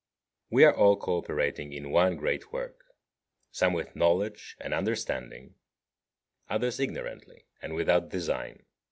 42. We are all co operating in one great work, some with knowledge and understanding, others ignorantly and without design.